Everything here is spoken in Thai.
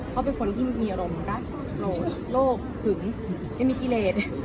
เขาเป็นคนที่มีอารมณ์รักโรคหึงยังมีกิเลส